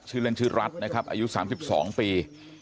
ชื่อเล่นชื่อรัฐนะครับอายุ๓๒ปี